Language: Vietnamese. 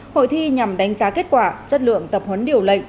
hội thi nhằm đánh giá kết quả chất lượng tập huấn điều lệnh